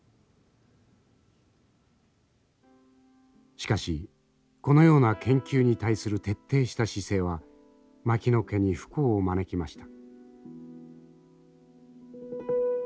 しかしこのような研究に対する徹底した姿勢は牧野家に不幸を招きました。